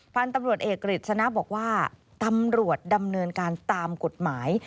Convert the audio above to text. พันธุ์ตำรวจเอกกฤษณะบอกว่าตำรวจดำเนินการตามกฎหมาย